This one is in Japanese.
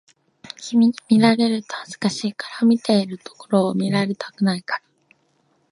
君に見られると恥ずかしいから、見ているところを見られたくないから